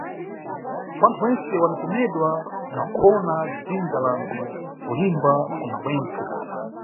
Wanthu wentse wanikomedwa na kuwona dzindza langu, kulimba kuna mwentse.